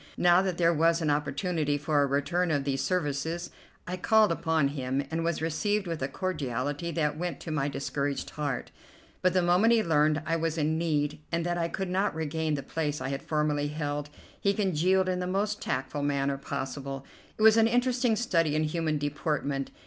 Now that there was an opportunity for a return of these services, I called upon him, and was received with a cordiality that went to my discouraged heart; but the moment he learned I was in need, and that I could not regain the place I had formerly held, he congealed in the most tactful manner possible. It was an interesting study in human deportment.